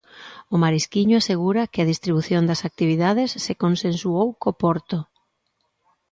O Marisquiño asegura que a distribución das actividades se consensuou co Porto.